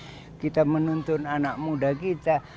bagaimana kita menuntun anak muda kita